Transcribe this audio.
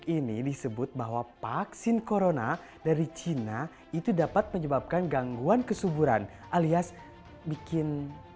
ini disebut bahwa vaksin corona dari cina itu dapat menyebabkan gangguan kesuburan alias bikin